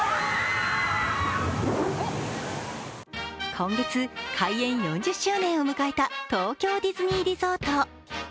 今月、開園４０周年を迎えた東京ディズニーリゾート。